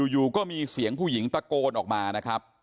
อยู่ก็มีเสียงผู้หญิงตะโกนออกมานะครับ